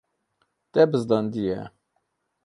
Te bizdandiye.